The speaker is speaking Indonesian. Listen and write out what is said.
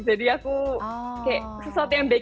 jadi aku kayak sesuatu yang baking juga